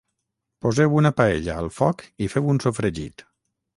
Poseu una paella al foc i feu un sofregit